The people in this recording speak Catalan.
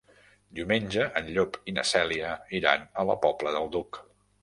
Diumenge en Llop i na Cèlia iran a la Pobla del Duc.